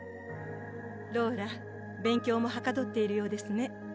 ローラ勉強もはかどっているようですね